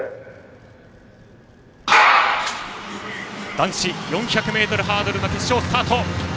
男子４００ｍハードルの決勝スタート。